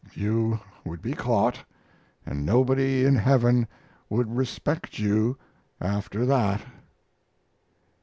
You would be caught, and nobody in heaven would respect you after that.